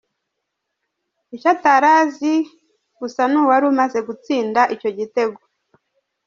Icyo atari azi gusa ni uwari umaze gutsinda icyo gitego.